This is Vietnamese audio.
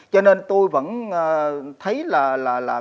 cho nên tôi vẫn thấy là